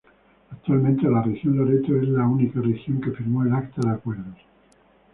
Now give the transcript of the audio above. Actualmente la región Loreto es la única región que firmó el acta de Acuerdos.